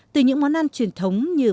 từ những món ăn truyền thống như